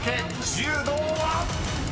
［柔道は⁉］